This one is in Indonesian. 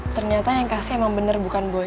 ternyata yang kasih emang benar bukan boy